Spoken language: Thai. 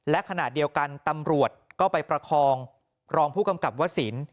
และขณะเดียวกันตำรวจก็ไปประคองรองผู้กำกับวสิน